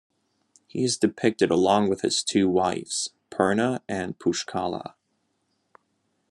He is depicted along with his two wives - Purna and Pushkala.